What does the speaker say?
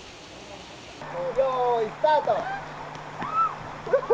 よーい、スタート。